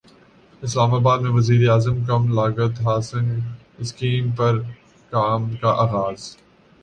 اسلام اباد میں وزیراعظم کم لاگت ہاسنگ اسکیم پر کام کا اغاز